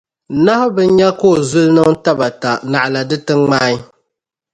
Nahu bi nya ka o zuli niŋ tabata naɣila di ti ŋmaai.